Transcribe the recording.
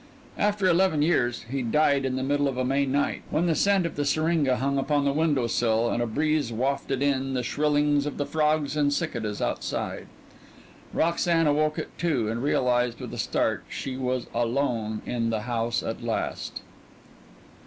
After eleven years he died in the middle of a May night, when the scent of the syringa hung upon the window sill and a breeze wafted in the shrillings of the frogs and cicadas outside. Roxanne awoke at two, and realized with a start she was alone in the house at last.